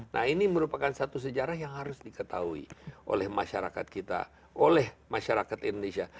nah ini merupakan satu sejarah yang harus diketahui oleh masyarakat kita oleh masyarakat indonesia